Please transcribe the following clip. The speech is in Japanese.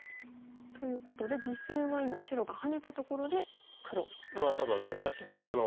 ということで実戦は今白がハネたところで黒考慮中です。